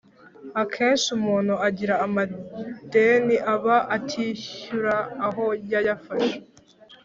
Akenshi umuntu ugira amadeni aba atishyura aho yayafashe